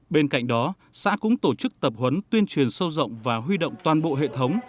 bên cạnh đó xã cũng tổ chức tập huấn tuyên truyền sâu rộng và huy động toàn bộ hệ thống